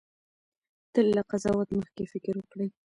تل له قضاوت مخکې فکر وکړئ.